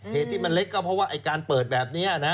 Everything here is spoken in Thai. เหตุที่มันเล็กก็เพราะว่าการเปิดแบบนี้นะ